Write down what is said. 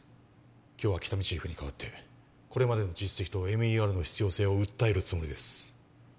今日は喜多見チーフに代わってこれまでの実績とＭＥＲの必要性を訴えるつもりです